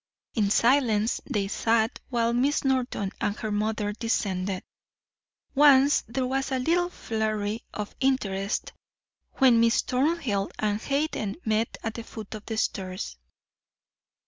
In silence they sat while Miss Norton and her mother descended. Once there was a little flurry of interest when Miss Thornhill and Hayden met at the foot of the stairs.